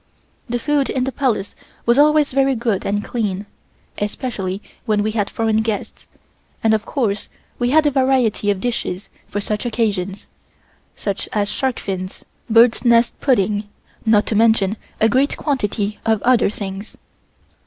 The food in the Palace was always very good and clean, especially when we had foreign guests, and of course we had a variety of dishes for such occasions, such as sharkfins, birds' nest pudding, not to mention a great quantity of other things.